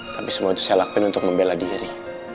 tapi semua itu saya lakuin untuk membela diri